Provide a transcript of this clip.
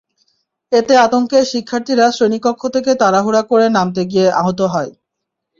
এতে আতঙ্কে শিক্ষার্থীরা শ্রেণিকক্ষ থেকে তাড়াহুড়া করে নামতে গিয়ে আহত হয়।